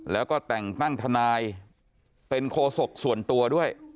แล้วก็แต่งตั้งทนายเป็นโคศกส่วนตัวด้วย